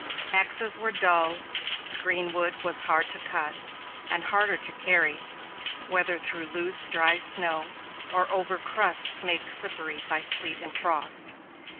Axes were dull, green wood was hard to cut, and harder to carry, whether through loose, dry snow, or over crusts made slippery by sleet and frost.